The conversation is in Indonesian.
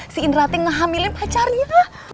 si indra teh ngehamilin pacarnya